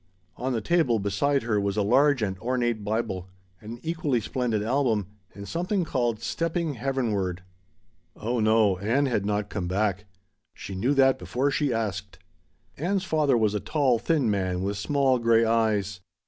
On the table beside her was a large and ornate Bible, an equally splendid album, and something called "Stepping Heavenward." Oh no Ann had not come back. She knew that before she asked. Ann's father was a tall, thin man with small gray eyes.